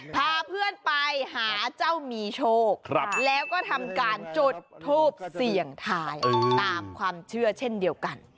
พาเพื่อนไปหาเจ้ามีโชคแล้วก็ทำการจุดทูปเสี่ยงทายตามความเชื่อเช่นเดียวกัน